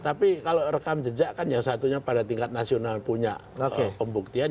tapi kalau rekam jejak kan yang satunya pada tingkat nasional punya pembuktian